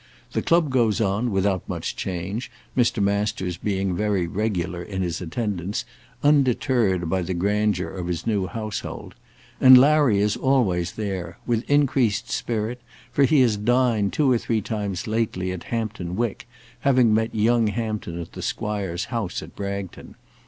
The club goes on without much change, Mr. Masters being very regular in his attendance, undeterred by the grandeur of his new household. And Larry is always there, with increased spirit, for he has dined two or three times lately at Hampton Wick, having met young Hampton at the Squire's house at Bragton.